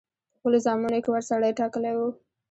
په خپلو زامنو کې وړ سړی ټاکلی وو.